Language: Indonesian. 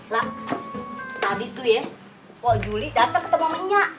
lah tadi tuh ya kok juli datang ketemu sama inya